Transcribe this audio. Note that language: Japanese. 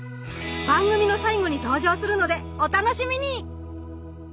番組の最後に登場するのでお楽しみに！